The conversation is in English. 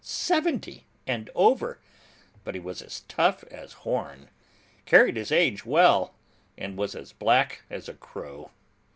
Seventy and over, but he was as tough as horn, carried his age well, and was as black as a crow.